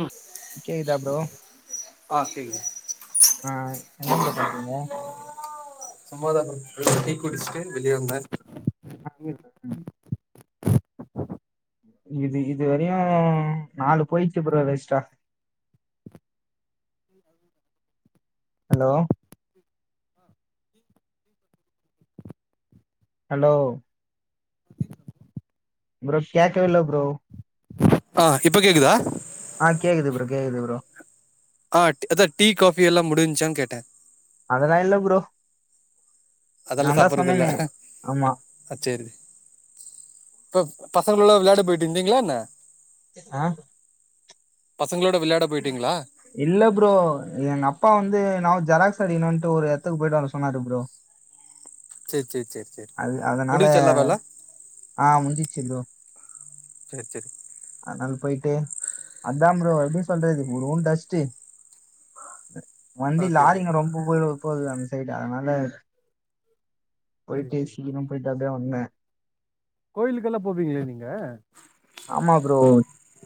ம் கேக்குதா ப்ரோ ஆ கேக்குது ஆ என்ன ப்ரோ பண்றீங்க சும்மாதா ப்ரோ டீ குடிஸ்ட்டு வெளிய வந்த அ அ இது இதுவரயு நாலு போய்ட்ச்சி ப்ரோ வேஸ்ட்டா ஹலோ ஹலோ ப்ரோ கேக்கவே இல்ல ப்ரோ ஆ இப்ப கேக்குதா ஆ கேக்குது ப்ரோ கேக்குது ப்ரோ ஆ அத்தா டீ காஃபி எல்லா முடிஞ்சான்னு கேட்ட அதெல்லா இல்ல ப்ரோ நான் தா சொன்னனே ஆமா அ சேரி ப்ரோ பசங்களோட எல்லா விளாட போயிட்டு இருந்தீங்ளா என்ன அ பசங்களோட விளயாட போயிட்டீங்ளா இல்ல ப்ரோ எங்க அப்பா வந்து நாவ் ஜெராக்ஸ் அடிக்கணுட்டு ஒரு எடத்துக்கு போயிட்டு வர சொன்னாரு ப்ரோ சேரி சேரி சேரி சேரி அது அதனால முடிஞ்ச்சா எல்லா வேல ஆ முஞ்சிச்சு ப்ரோ சேர் சேரி அனால போயிட்டு அதா ப்ரோ எப்டி சொல்றது உரும் டஸ்டு வண்டி ஓகே ஓகே லாரிங்க ரொம்ப போய் போவுது அன் சைடு அனால சேரி போயிட்டு சேரி சீக்கரோ போயிட்டு அப்டியே வந்த கோயிலுக்கெல்லா போவீங்களா நீங்க ஆமா ப்ரோ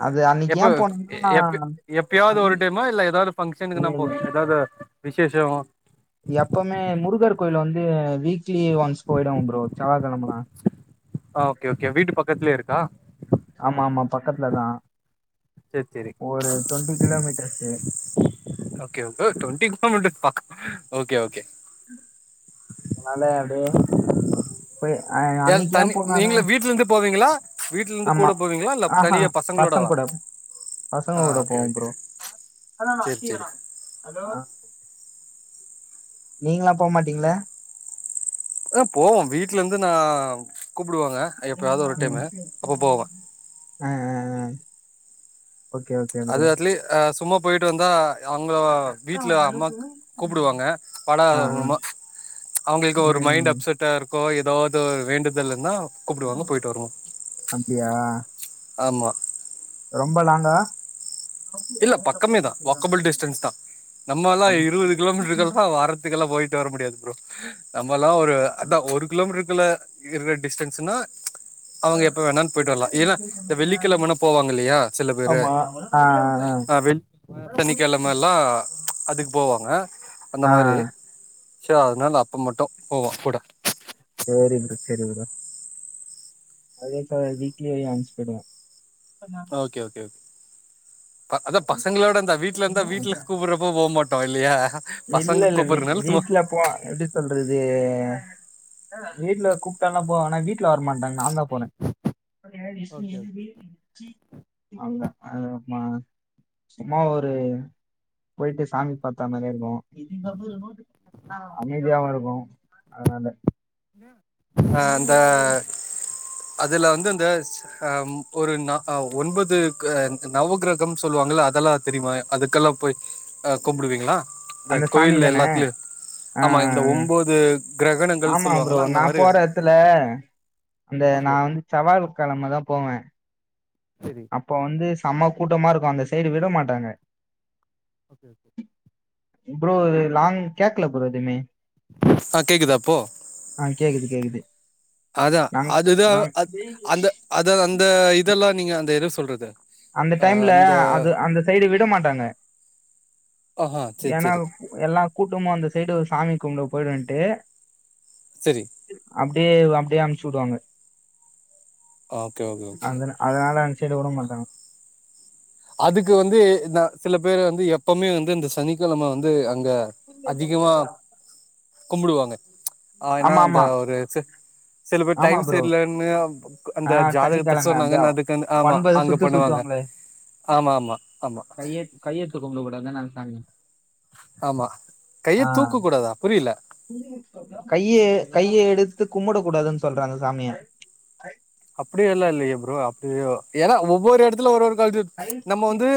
அது அன்னைக்கு எப்ப ஏன் போனோம்னா எப்ப எப்பயாது மணி- ஒரு டைமா இல்ல ஏதாது பங்க்ஷனுக்கு நா இது போவ ஏதாது விசேஷம் எப்பவுமே முருகர் கோயிலு வந்து வீக்லி ஒன்ஸ் போயிடுவ ப்ரோ செவ்வா கிழமைன்னா ஓக்கே ஓக்கே வீட்டு பக்கத்துலயே இருக்கா ஆமா ஆமா பக்கத்துல தா சேரி சேரி ஒரு டுவெண்டி கிலோமீட்டர்ஸ்சு ஓக்கே ஓக் ஓ டுவென்டி கிலோமீட்டர்ஸ் பக்கமா ஓக்கே ஓக்கே அனால அப்டியே போய் ஏ அன்னைக்கு தனி ஏன் போனன்னா நீங்கள வீட்ல இருந்து போவீங்களா வீட்ல இருந்து ஆமா கூட போவீங்களா இல்ல அ ஆ தனியா பசங் பசங்களோடவா கூட பசங்க ஆ கூட ஓகே போவ ஓகே ப்ரோ ண்ணா அண்ணா சேரி சேரி நா [unintelligible] ஹலோ நீங்கல்லா போமாட்டீங்கில்ல அத்தா போவே வீட்ல இருந்து நா கூப்புடுவாங்க எப்பயாது ஒரு டைமு அப்ப போவே அ அ அ ஓக்கே ஓக் அது அதுல்யே ஆ சும்மா போய்ட்டு வந்தா அவ்ங்கா வீட்ல அம்மாக் கூப்டுவாங்க பாடா ஆ ஆ அதுமா அவங்கள்க்கு ஒரு மைண்ட் ம் அப்செட் ட்டா இர்க்கோ ஏதோதோ வேண்டுதல்னா குப்டுவாங்க போய்ட்டு வர்னு அப்படியா ஆமா ரொம்ப லாங்கா இல்ல பக்கமேதா வாக்கபல் டிஸ்டன்ஸ் தா நம்மல்லா இருவது கிலோமீட்டர் கெல்லா வார் துக்கெல்லா போய்ட்டு வர முடியாத் ப்ரோ நம்மல்லா ஒரு அத்தா ஒரு கிலோமீட்ருக்குள்ள இக்குர டிஸ்டன்ஸ்சுனா அவுங்க எப்ப வேணான் போய்ட்டு வர்லா ஏனா இந்த வெள்ளிக்கிழமனா போவாங் இல்லையா சில பேரு ஆமா ஆ ஆ வெள் [inaudible] சனிக்கிழம எல்லா அதுக் போவாங்க அந்த ஆ மாரி ச்ச அதனால் அப்பு மட்டு போவோ கூட சேரி ப்ரு செரி புரோ அதே ச்சா வீக்லி யன்ஸ் போய்டுவோ ஓகே ஓகே ஓக் ப அதா பசங்களோட இந்தா வீட்ல இந்தா வீட்ல கூப்புறப் இப்போ போ மாட்டோ இல்லியா ஆஹா இல்ல இல்ல வி வீட்லப் பா எப்டி சொல்றதே வீட்ல கூப்டால்லா போ ஆனா வீட்ல வர்மாட்டாங் நான் தா போனே ஓகே ஓகே அவ்ல்தா ஆ மா சும்மா ஒரு போய்ட்டு சாமி பாத்தா மாரேர் ஓ அமிதியாவு இருக்கு அதனால ஆ அந்த அதுல வந்து அந்தஸ் ஹம் ஒரு நா ஆவ் ஒன்பது கா அன்த்து நவக்ரக் கம் சொல்லுவாங்குள அதல்லா தெரிமா அதுக்கல்லா போய் அ கும்பிடுவீங்களா இந்த அந்த சாமி கோயில்ல தானே எல்லாத்லு ஆமா இந்த ஒம்போது க்ரகணங்கள்ஸ் ப்றோ நா போற எத்துல அந்த நா ஓகே வந்து செவ்வால் கெழம தா போவே சரி ப்போ வந்து செம்ம கூட்டமா இருக்கு அந்த சைடு விட மாட்டாங்க ஓகே ஓகே ப்ரோ லாங் கேக்கல ப்ரோ எதுமே ஆ கேக்குதுா அப்போ ஆ கேக்குது கேக்குது அதா நாங்க அதுதா நாங்க அத் அந்த அத அந்த இதெல்லா நீங்க அந்த எரு சொல்றது அந்த அ டைம்ல அந்த அது அந்த சைடு விட மாட்டாங்க ஆஹா சேரி சேரி ஏன்னாவ் எல்லா கூட்டமு அந்த சைடு சாமி கும்புட போய்டுன்ட்டு சரி அப்டியே அப்டியே அம்ச்சி உடுவாங்க ஓகே ஓகே ஓகே அந்தனா அதனால அந் சைடு உட மாட்டாங்க அதுக்கு வந்து நா சில பேர வந்து எப்பமே வந்து இந்த சனிக்கிழம வந்து அங்க அதிகமா கும்புடுவாங்க ஆ ஏனா ஆமா அந்த ஆமா ஒரு செ சில பேர் ஆமா டைம் ப்ரோ சர்லன்னு ஆவ் புக்கோ அந்த ஆ ஜாதகத்த சனிக்கிழம சொன்னாங்கன் அதுக்குன் ஆமா அங்க பண்ணுவாங்க மே ஆமா ஆமா ஆமா கையெத் கையெத்து கும்புட கூடாதான் நன் சாமி ஆமா கையத் தூக்க கூடதா புரில கையே கைய எடுத்து கும்புட கூடாதுன்னு சொல்றாங்க சாமியா அப்டியே இல்லா இல்லையே ப்ரோ அப்டியோ ஏன்னா ஒவ்வொரு எடத்துல ஒரு ஒரு கல்சர் நம்ம வந்து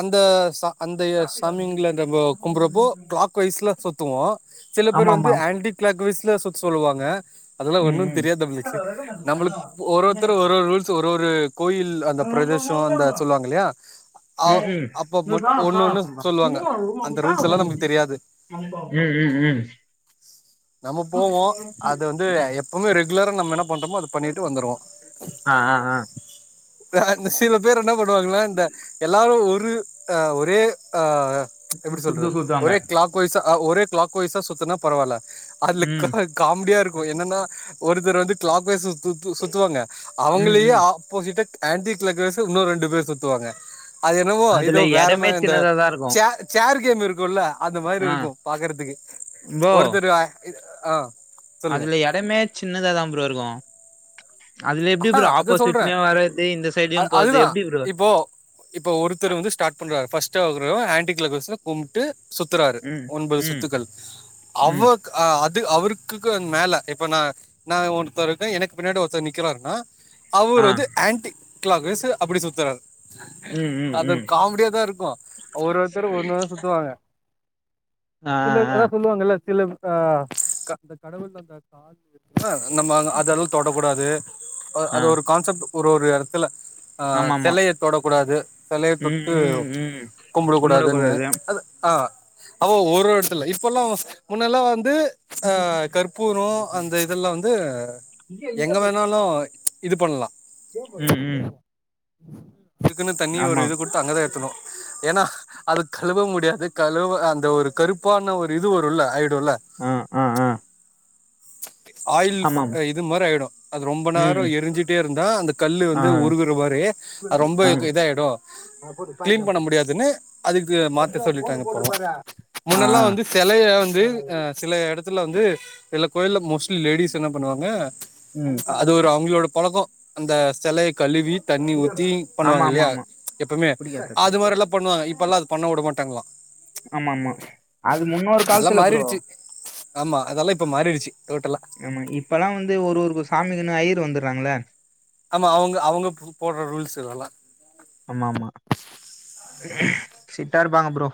அந்த ச அந்த சாமிங்கில நம்ம கும்புறபோ க்ளாக் வாய்ஸ்ல சுத்துவோ சில ஆமா பேர் வந்து ஆமா ஆண்டிக் க்ளாக் வைஸ்ல சுத்த சொல்வாங்க அதெல்லா ம் ஒன்னு ம் தெரியாது நம்ளுக்கு நம்ளுக்கு ஒரு ஒர்த்தரு ஒரு ஒரு ரூல்ஸ் ஒரு ஒரு கோயில் அந்த பிரதேசோ அந்த சொல்வாங்க இல்லியா அ ம் ம் அப்ப மட்டு ஒண்ணு ஒண்ணு சொல்லுவாங்க அந்த ரூல்ஸ் எல்லா நம்பளுக்கு தெரியாது ம் ம் ம் நம்ம போவோ அது வந்து ம் எப்பவுமே ரெகுலரா நம்ம என்ன பண்றோமோ அது பண்ணிட்டு வந்துருவோ ஆ ஆ ஆ [unintelligible] இந்த சில பேர் என்னா பண்ணுவாங்க இந்த எல்லாரு ஒரு அ ஒரே ஆ எப்டி சுத்து சொல்றது சுத்துவாங்க ஒரே க்ளாக் கு வைஸ்சா ஒரே க்ளாக் வய்சா சுத்தனா பரவால்ல அதுல கா ம் காமெடியா இருக்கு என்னனா ஒருத்தரு வந்து க்ளாக் வய்ஸ்ல சு சுத்துவாங்க ம் அவுங்களையே ம் ஆப் போசிட்டா ஆன்டிக்ளாக் வைய்ஸா இன்னு ரெண்டு பேரு சுத்துவாங்க அது என்னமோ ஏதோ அதுல வேற எடமே மாரி இந்த சின்னதாதா இருக்கு சே சேர் கேம் இருக்குல அந்த மாரி ஆ இருக்கு பாக்குறதுக்கு [unintelligible] [unintelligible] இது ஆ சொல்லுங்க அதுல எடமே சின்னததா ப்ரோ இருக்கு அதுல எப்டி ப்ரோ ஆஹ் அதான் சொல்றேன் ஆப்போசிட்லயு வர்றது இந்த சைட்லயு போறது எப்டி ப்ரோ இப்ப ஒருத்தர் வந்து ஸ்டாட் பண்றாரு ஃபஸ்டு அவ்ரு ஆன்டி க்ளாக் வைய்ஸா கும்ட்டு சுத்துறாரு ம் ஒம்பொது ம் சுத்துக்கள் அவ்வ ம் க ஆ அது அவ்ருகுக்கு [inaudible] மேல இப்ப நா நா ஒருத்தே இருக்கே எனக்கு பின்னாடி ஒருத்தர் நிக்குறாருனா ஆ அவர் வந்து ஆன்டி க்ளாக் வைய்ஸு அப்டி சுத்துறாரு ம் ம் அதொரு ம் காமெடியா தா இருக்கு ஒரு ஒருத்தர் ஒன்னொன்னு சுத்துவாங்க ஆ சிலர் ஆ ஆ அதா சொல்லுவாங்கல்ல சிலர் ஆ க அந்த கடவுள் அந்த [inaudible] இருக்குனா நம்ம அதெல்லா தொடக்கூடாது அ ஆ அது ஒரு கான்செப்ட் ஒரு ஒரு எடத்துல ஆ ஆமாமா செலய தொடக்கூடாது செலய ம் தொட்டு ம் ம் கும்ட கூடாதுன்னு கும்பிடக்கூடாது அது ஆ ஆ ஓர் ஒரு எட்த்துல இப்பல்லா முன்னல்லா வந்து அ கற்பூரோ அந்த இதெல்லா வந்து எங்க வேணாலு இது பண்லா ம் ம் இதுக்குனு தனி ஒரு ஆமா இது குடுத்து அங்கதா ஏத்தணு ஏன்னா அது கழுவ முடியாது கழுவ அந்த ஒரு கருப்பான ஒரு இது வருல [unintelligible] டுல்ல ஆ ஆ ஆ ஆயில் ஆமாம் இது மாரி ஆய்டு அது ரொம்ப ம் நேரோ ம். எரிஞ்சிட்டே இருந்தா அந்த கல்லு ஆ வந்து உருகுற மாரி அது ரொம்ப ஆ இதுக்கு ஆ இதாயிடு கிளீன் பண்ண முடியாதுனு அதுக்கு மாத்த சொல்லிட்டாங்க இப்போலா ஆ முன்னெல்லா வந்து செலய வந்து அ சில எடத்துல வந்து சில கோயில்ல மோஸ்ட்லி லேடிஸ் என்ன பண்ணுவாங்க ம் அது ஒரு அவுங்களோட பழக்கோ அந்த செலய கழுவி தண்ணி ஊத்தி ஆமா பண்ணுவாங்க ஆமா இல்லயா ஆமா எப்போமே புடிக்காது அது மாரிலா பண்ணுவாங்க இப்ப எல்லா அது பண்ண விடமாட்டாங்களா ஆமாமா அது முன்னோரு அதெல்லா காலத்துல ப்ரோ மாறிடுச்சு ஆமா அதெல்லா இப்ப மாறிடுச்சு டோட்டலா ஆமா இப்பெல்லா வந்து ஒரு ஒரு சாமிக்குனு ஐய்ரு வந்துட்றாங்கள்ள ஆமா அவுங்க அவுங்க போட்ற ரூல்ஸ்ஸு இதெல்லா ஆமா மா சிட்டா இருப்பாங்க ப்ரோ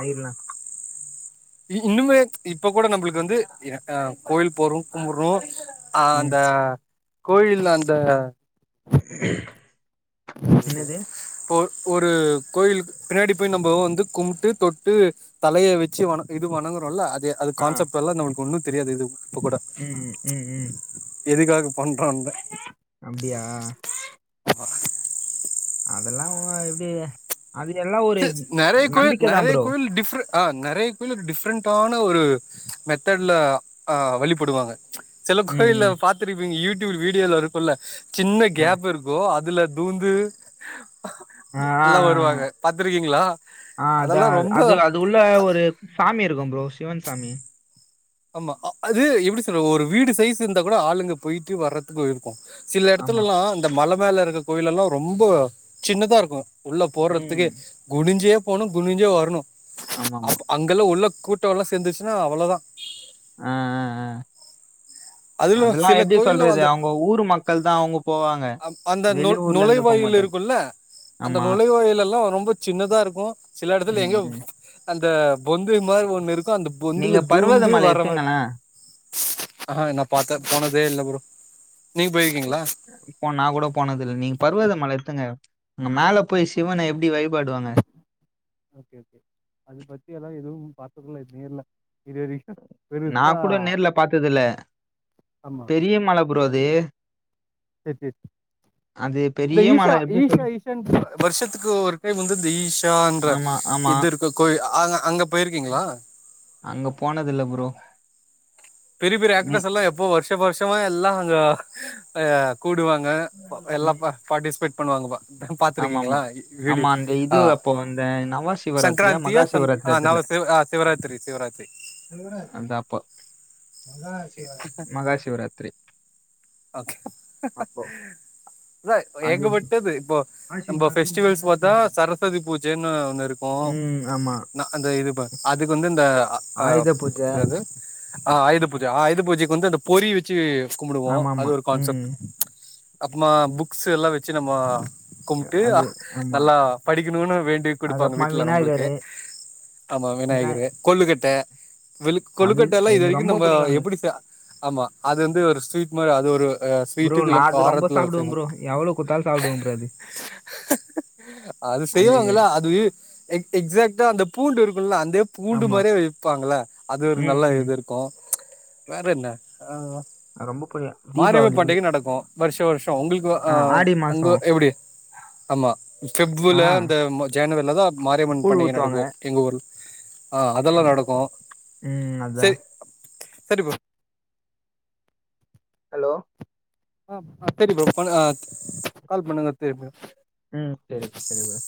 அயிர்னா இ இன்னுமே இப்ப கூட நம்மளுக்கு வந்து ய ஆ கோவிலுக்கு போறோ கும்பிட்றோ ஆ ம் அந்த கோயில்ல அந்த [inaudible] என்னது இப்போ ஒ ஒரு கோயிலுக்கு பின்னாடி போய் நம்ம வந்து கும்ட்டு தொட்டு தலய வச்சு வன இது வணங்குறோல்ல அதே அது ஆ கான்செப்ட் எல்லா நம்மளுக்கு ஒன்னு தெரியாது இது இப்ப கூட ம் ம் ம் ம் எதுக்காக பண்றாங்க அப்டியா அதெல்லாவ்வா எப்டி அது எல்லா ஒரு த்து நெறையா கோயில் தான் நெறையா ப்ரோ கோயில் டிஃப்ரெ ஆ நெறைய கோயில்ல அது டிஃப்ரெண்ட்டான ஒரு மெத்தட்ல ஆ வழிபடுவாங்க சில ம் கோயில்ல ம் பாத்துருப்பீங்க யூடியூப் வீடியோல இருக்குல சின்ன ஆ கேப் இரு கூ அதுல தூந்து ஆ ஆ எல்லா வருவாங்க பாத்துருக்கீங்களா அதெல்லா ரொம்ப இது உள்ள ஒரு சாமி இருக்கு ப்ரோ சிவன் சாமி ஆமா அ அது எப்டி சொல்றது ஒரு வீடு சைஸ் இருந்தா கூட ஆளுங்க போய்ட்டு வர்ற க்கு இருக்கு சில ஆமா எடத்துலல்லா இந்த மல மேல இருக்க கோயில் எல்லா ரொம்ப சின்னதா இருக்கு உள்ள ம் போறத்துக்குே குனிஞ்சே போணு குனிஞ்சே வரணு ஆமா ஆமா அப்ப அங் ல்லா உள்ள கூட்டோல்லா சேந்துச்சினா அவ்வளதா ஆ ஆ ஆ அதுல அதெல்லா சில எப்டி கோயில்ல சொல்றது அந்த அவங்க ஊர் மக்கள் தா அவங்க போவாங்க வெளி ஊர்ல இருந்து போமாட்டாங்க குல்ல அந்த நுழைவாயல் எல்லா ரொம்ப சின்னதா இருக்கு சில எடத்துல ம் எங்கயோ ம் அந்த பொந்து மாரி ஒண்ணு இருக்கு அந்த பொந்துல நீங்க பர்வத தூந்து மலை வர்ர மாரி எத்துங்களேன் ஆ நா பாத்தே போனதே இல்ல ப்ரோ நீங்க போயிருக்கீங்களா போ நா கூட போனதுல்ல நீங்க பருவத மல எடுத்துங்கா அங்க மேல போய் சிவன எப்டி வழிபாடுவாங்க ஓகே ஓகே அது பத்தில்லா எதுவு பாத்தது இல்ல நேர்ல இது வரைக்கு நா கூட நேர்ல பாத்ததுல்ல ஆமா. பெரிய மல ப்ரோ அது செரி செரி அது இந்த பெரிய ஈஷா மல எப்டி ஈஷா சொல்லு ஈஷான் வருஷத்துக்கு ஒரு டைம் வந்து இந்த ஈஷான்ற ஆமா ஆமா இது இருக்கு கோய அங்க அங்க போய்ருக்கீங்களா அங்க போனதில்ல ப்ரோ பெரி பெரி நீ ஆக்டர்ஸ் எல்லா எப்போ வருஷ வருஷமோ எல்லா அங்க ஆ கூடுவாங்க பா எல்லா ம் பார்ட்சிபைட் பண்ணுவாங்கப்பா ஆமாமா ஆமா பாத்திருக்கீங்களா வீடியோ ஆமா அந்த ஆ இது அப்போ அந்த நவ சிவராத்திரியா சங்கராந்தியா மகா சிவராத்திரியா ஆ தெர்ல நவ் சிவா ஆ சிவாராத்ரி சிவாராத்ரி அந்த அப்ப ஓகே. மகாசிவராத்திரி ஒகே இத அது ஏகப்பட்டது இப்போ நம்ம பெஃஸ்டிவல்ஸ் பாத்தா சரஸ்வதி பூஜைன்னு ஒன்னு இருக்கு ம் ஆமா ந இந்த இது பார் அதுக்கு வந்து அந்த ஆ ஆயுத பூஜ என்னது ஆ அயுத பூஜ அயுத பூஜைக்கு வந்து அந்த பொறி வச்சி கும்புடுவோ அது ஆமாமா ஒரு கான்செப்ட் ம் அப்பம்மா புக்ஸ்ல்லா வச்சி நம்மோ கும்ட்டு அது ஆமா நல்லா படிக்கணுன்னு வேண்டி குடுப்பாங்க அதுக்கப்மா வீட்ல நம்பளுக்கு விநாயகரு ஆமா விநாய விநாயகரு கொல்லுக்கட்ட விழுக் அது கொல்லுக்கட்டல்லா இது எனக்கு வரைக்கும் ரொம்ப நம்ம புடிக்கு எனக்கு எப்டி ஆமா அது வந்து ஒரு ஸ்வீட் மாறி அது ஒரு அ ப்ரோ ஸ்வீட்டு நா இல்ல அது ரொம்ப காரத்துல சாப்புடுவ செய்வோ ப்ரோ எவ்வளவு குடுத்தாலு சாப்புடுவே ப்ரோ அது அது செய்வாங்கல்ல அது எக் எக்ஸாக்ட்டா அந்த பூண்டு இருக்குல்ல அதே பூண்டு ஆமா மாறியே வெப்பாங்கல்ல அது ஒரு ம் நல்ல ம் இது கோ வேற என்ன ஆ ரொம்ப புரிய மாரியம்மன் பண்டிகை நடக்கும் வருஷோ வருஷோ உங்களுக்கு ஆ ஆடி அங்க மாசம் எப்டி ஆமா ஆ ஃவெப்புல அந்த ஜென்வரில தா மாரியம்மன் கூழ் பண்டிகை ஊத்துவாங்க நடக்கும் எங்க ஊர்ல ஆ அதெல்லா நடக்கு ம் சேரி அதான் சேரி இப்போ ஹலோ ஆ சேரி ப்ரோ பண்ணு ஆ கால் பண்ணுங்க திருப்பியு உம் சேரி சேரி ப்ரோ